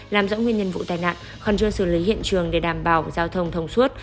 làm rõ nguyên nhân vụ tai nạn khẩn trương xử lý hiện trường để đảm bảo giao thông thông suốt